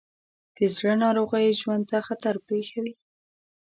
د زړه ناروغۍ ژوند ته خطر پېښوي.